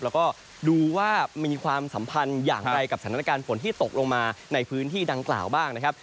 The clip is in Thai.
แล้วก็ดูว่ามีความสัมพันธ์อย่างไรกับสถานการณ์ฝนที่ตกลงมาในพื้นที่ดังกล่าวบ้างนะครับ